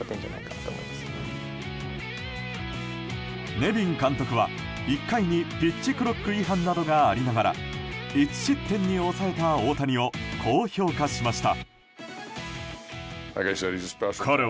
ネビン監督は１回にピッチクロック違反などがありながら１失点に抑えた大谷をこう評価しました。